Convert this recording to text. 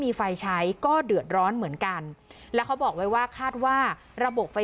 มีประชาชนในพื้นที่เขาถ่ายคลิปเอาไว้ได้ค่ะ